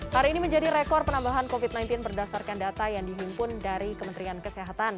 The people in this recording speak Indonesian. hari ini menjadi rekor penambahan covid sembilan belas berdasarkan data yang dihimpun dari kementerian kesehatan